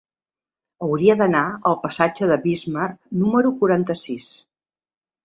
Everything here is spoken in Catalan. Hauria d'anar al passatge de Bismarck número quaranta-sis.